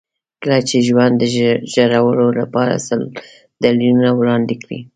کله چې ژوند د ژړلو لپاره سل دلیلونه وړاندې کړي.